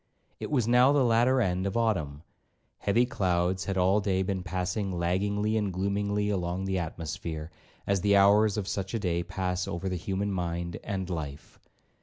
It was now the latter end of Autumn; heavy clouds had all day been passing laggingly and gloomily along the atmosphere, as the hours of such a day pass over the human mind and life.